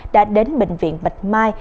đã đến bệnh viện bạch mai